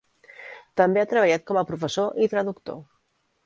També ha treballat com a professor i traductor.